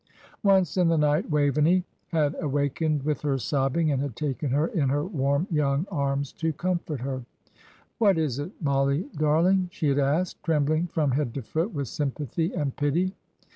Once in the night Waveney had awakened with her sobbing, and had taken her in her warm young arms to comfort her. "What is it, Mollie darling?" she had asked, trembling from head to foot with sympathy and pity.